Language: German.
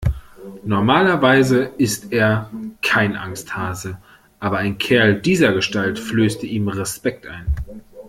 Normalerweise ist er kein Angsthase, aber ein Kerl dieser Gestalt flößte ihm Respekt ein.